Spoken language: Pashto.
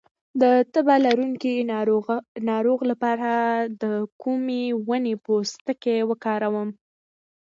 د تبه لرونکي ناروغ لپاره د کومې ونې پوستکی وکاروم؟